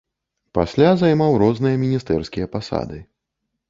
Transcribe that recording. Пасля займаў розныя міністэрскія пасады.